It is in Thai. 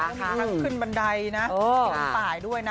ต้องมีทางขึ้นบันไดนะเตรียมต่ายด้วยนะ